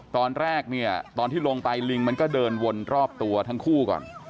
ตอนแรกเนี่ยตอนที่ลงไปลิงมันก็เดินวนรอบตัวทั้งคู่ก่อน